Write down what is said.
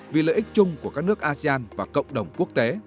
vì lợi ích chung của các nước asean và cộng đồng quốc tế